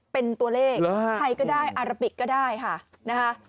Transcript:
เป็นตัวเลขไทยก็ได้อาราบิกก็ได้ค่ะนะคะ